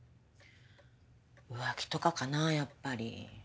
浮気とかかなやっぱり。